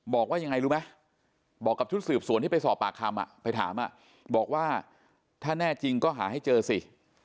บอกว่ายังไงรู้ไหมบอกกับชุดสืบสวนที่ไปสอบปากคำไปถามบอกว่าถ้าแน่จริงก็หาให้เจอสิ